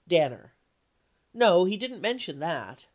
Danner. No, he didn't mention that.